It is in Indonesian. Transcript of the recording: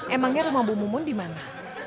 emangnya rumah bu mumun dimana